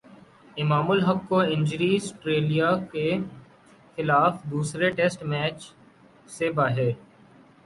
امام الحق کو injury Australia کے خلاف دوسرے ٹیسٹ میچ سے باہر